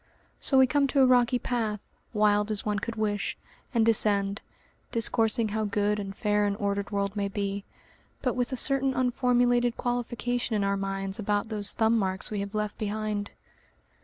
So we come to a rocky path, wild as one could wish, and descend, discoursing how good and fair an ordered world may be, but with a certain unformulated qualification in our minds about those thumb marks we have left behind.